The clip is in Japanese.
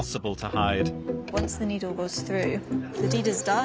はい。